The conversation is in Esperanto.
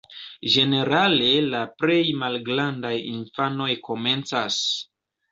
Ĝenerale la plej malgrandaj infanoj komencas.